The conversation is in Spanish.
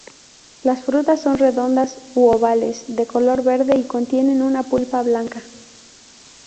Las frutas son redondas u ovales, de color verde y contienen una pulpa blanca.